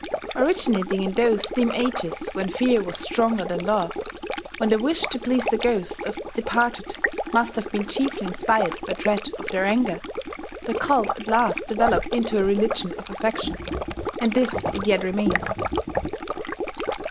Originating in those dim ages when fear was stronger than love, when the wish to please the ghosts of the departed must have been chiefly inspired by dread of their anger, the cult at last developed into a religion of affection; and this it yet remains.